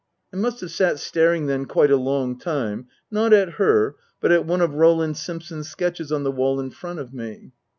I must have sat staring then quite a long time, not at her, but at one of Roland Simpson's sketches on the wall in front of me.